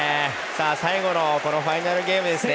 最後のこのファイナルゲームですね。